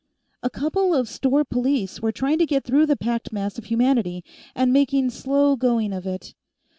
A couple of store police were trying to get through the packed mass of humanity, and making slow going of it.